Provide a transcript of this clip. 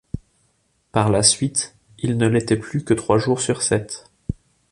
Par la suite, il ne l'était plus que trois jours sur sept.